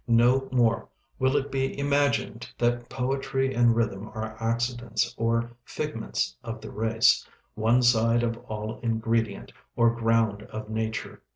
No more will it be imagined that poetry and rhythm are accidents or figments of the race, one side of all ingredient or ground of nature.